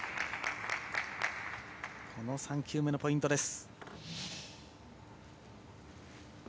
この３球目のポイントです。